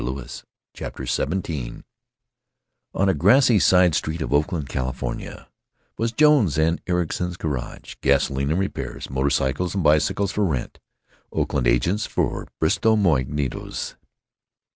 CHAPTER XVII n a grassy side street of Oakland, California, was "Jones & Ericson's Garage: Gasoline and Repairs: Motor Cycles and Bicycles for Rent: Oakland Agents for Bristow Magnetos."